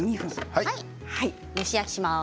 蒸し焼きにします。